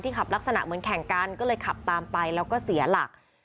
ขับลักษณะเหมือนแข่งกันก็เลยขับตามไปแล้วก็เสียหลัก